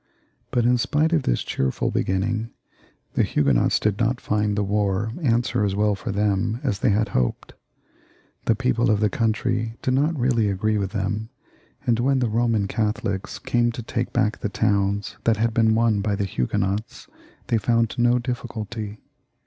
But in spite o£ this cheerful beginning the Huguenots did not find the war answer as well for them as they had hoped. The people of the country did not reaUy agree with them, and when the Boman Catholics came to take back the towns that had been won by the Huguenots, they found no difficulty.